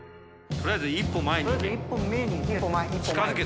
とりあえず１歩前に行け。